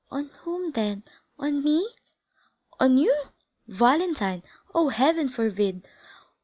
"On whom, then!—on me?" "On you? Valentine! Oh, Heaven forbid!